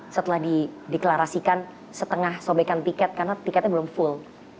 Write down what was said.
setelah dideklarasikan setengah sobekan tiket karena tiketnya belum full